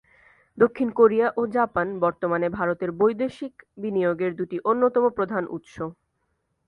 দক্ষিণ কোরিয়া ও জাপান বর্তমানে ভারতের বৈদেশিক বিনিয়োগের দুটি অন্যতম প্রধান উৎস।